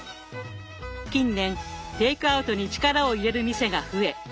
近年テイクアウトに力を入れる店が増え